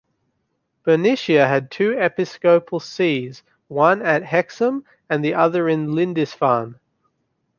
Bernicia had two episcopal sees, one at Hexham and the other at Lindisfarne.